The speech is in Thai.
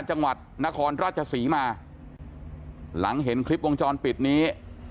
จังหวัดนครราชศรีมาหลังเห็นคลิปวงจรปิดนี้